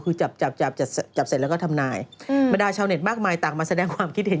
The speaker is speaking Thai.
คือจับจับจับเสร็จแล้วก็ทำนายบรรดาชาวเน็ตมากมายต่างมาแสดงความคิดเห็น